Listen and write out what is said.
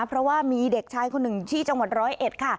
เพราะว่ามีเด็กชายคนหนึ่งที่จังหวัดร้อยเอ็ดค่ะ